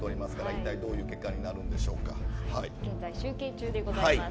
いったいどういう結果になるんでしょうか。